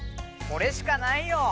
これしかないよ。